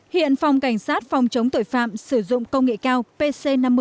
hiện phòng cảnh sát phòng chống tội phạm sử dụng công nghệ cao pc năm mươi